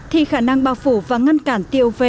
thì khả năng bảo phủ và ngăn cản tiêu uv